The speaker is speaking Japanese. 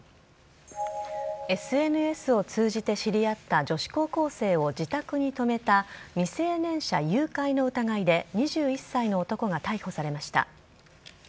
ＳＮＳを通じて知り合った女子高校生を自宅に泊めた未成年者誘拐の疑いで２１歳の男が逮捕されました。